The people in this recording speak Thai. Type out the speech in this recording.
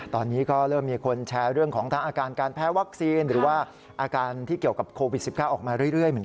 ตอนนี้ก็เริ่มมีคนแชร์เรื่องของทั้งอาการการแพ้วัคซีน